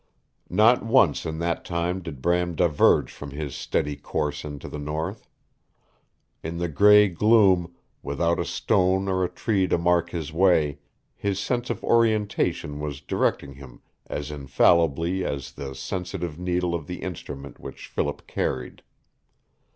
Not once in that time did Bram diverge from his steady course into the north. In the gray gloom, without a stone or a tree to mark his way, his sense of orientation was directing him as infallibly as the sensitive needle of the instrument which Philip carried.